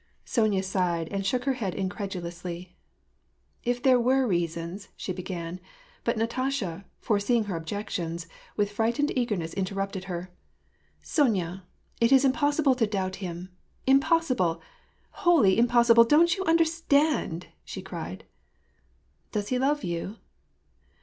Sonya sighed, and shook her head incredulously. " If there were reasons "— she began ; but Natasha, fore seeing her objections, with frightened eagerness interrupted her, —" Sonya, it is impossible to doubt him, impossible, wholly impossible, do you understand ?" she cried. " Does he love you